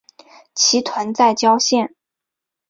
其冢在谯县。